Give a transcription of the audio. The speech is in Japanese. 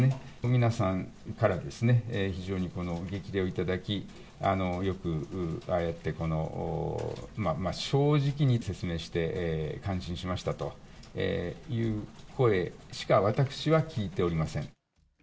皆さんから非常に激励を頂き、よくああやってこの、正直に説明して感心しましたという声しか、私は聞いておりません。